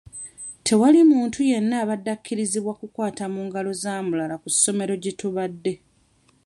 Tewali muntu yenna abadde akkirizibwa kukwata mu ngalo za mulala ku ssomero gye tubadde.